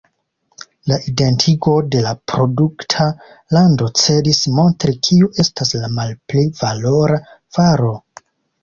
La identigo de la produkta lando celis montri kiu estas la malpli valora varo.